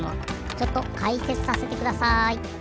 ちょっとかいせつさせてください。